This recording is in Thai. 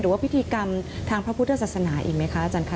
พิธีกรรมทางพระพุทธศาสนาอีกไหมคะอาจารย์ค่ะ